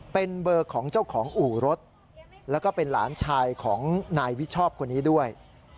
เป็นเบอร์ของเจ้าของอู่รถแล้วก็เป็นหลานชายของนายวิชอบคนนี้ด้วย